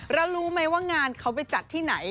แล้วรู้ไหมว่างานเขาไปจัดที่ไหน